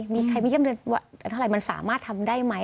มีใครมาเยี่ยมเดือนว่าเท่าไหร่มันสามารถทำได้ไหม